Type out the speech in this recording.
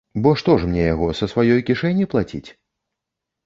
Бо што ж мне яго, са сваёй кішэні плаціць?